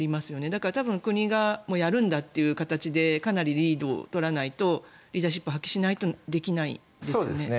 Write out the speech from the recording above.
だから、多分国がやるんだという形でかなりリードを取らないとリーダーシップを発揮しないとできないですよね。